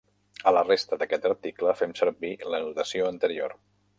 A la resta d'aquest article fem servir la notació anterior.